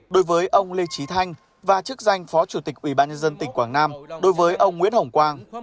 đối với ông lê trí thanh và chức danh phó chủ tịch ubnd tỉnh quảng nam đối với ông nguyễn hồng quang